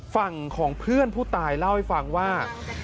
ฝั่งของเพื่อนผู้ตายเล่าให้ฟังว่า